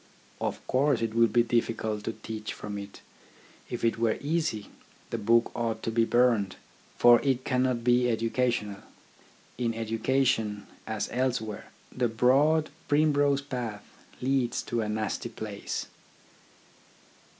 Of course it will be difficult to teach from it. If it were easy, the book ought to be burned ; for it cannot be educational. In education, as elsewhere, the broad primrose path leads to a nasty place.